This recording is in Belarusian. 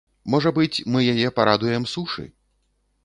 Можа быць, мы яе парадуем сушы.